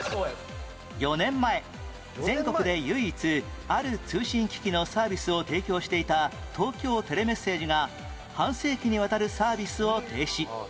４年前全国で唯一ある通信機器のサービスを提供していた東京テレメッセージが半世紀にわたるサービスを停止